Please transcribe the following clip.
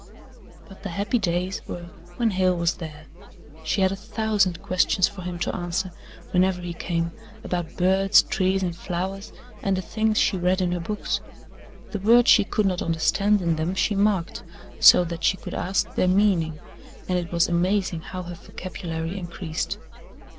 But the happy days were when Hale was there. She had a thousand questions for him to answer, whenever he came, about birds, trees and flowers and the things she read in her books. The words she could not understand in them she marked, so that she could ask their meaning, and it was amazing how her vocabulary increased.